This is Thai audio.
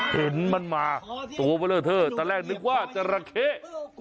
เห็นมันมาตัวเบลอเทอร์ตอนแรกนึกว่าจะระเขะ